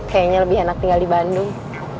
kayaknya lebih enak tinggal di bandung